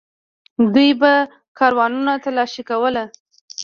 دوی به کاروانونه تالاشي کول.